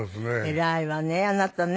偉いわねあなたね。